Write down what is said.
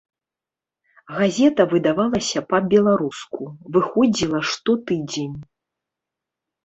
Газета выдавалася па-беларуску, выходзіла штотыдзень.